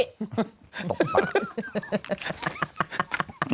ตกปาก